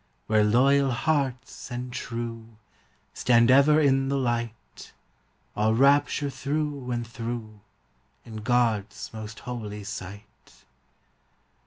Where loyal hearts and true Stand ever in the light, All rapture through and through, In God's most holy sight.